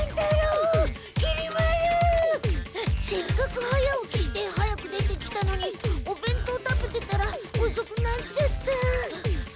せっかく早起きして早く出てきたのにおべんとう食べてたらおそくなっちゃった。